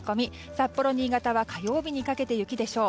札幌、新潟は火曜日にかけて雪でしょう。